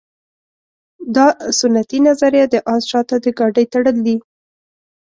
دا سنتي نظریه د اس شاته د ګاډۍ تړل دي.